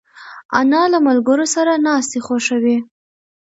انا له ملګرو سره ناستې خوښوي